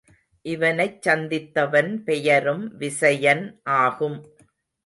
இவனைச் சந்தித்தவன் பெயரும் விசயன் ஆகும்.